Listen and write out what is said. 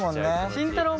慎太郎も。